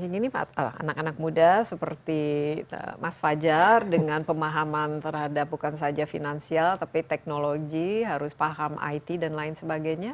dan ini khusus di digital banking ini anak anak muda seperti mas fajar dengan pemahaman terhadap bukan saja finansial tapi teknologi harus paham it dan lain sebagainya